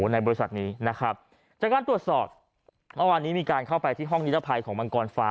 ในบริษัทนี้นะครับจากการตรวจสอบเมื่อวานนี้มีการเข้าไปที่ห้องนิรภัยของมังกรฟ้า